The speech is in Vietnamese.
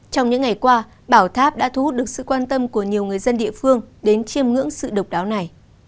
trong những ngày qua bảo tháp đã thu hút được sự quan tâm của nhiều người dân địa phương đến chiêm ngưỡng sự độc đáo này